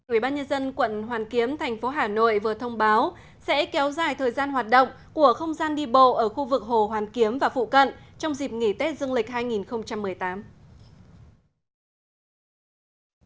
ubnd quận hoàn kiếm thành phố hà nội vừa thông báo sẽ kéo dài thời gian hoạt động của không gian đi bộ ở khu vực hồ hoàn kiếm và phụ cận trong dịp nghỉ tết dương lịch hai nghìn một mươi tám